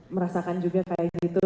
merasakan juga kayak gitu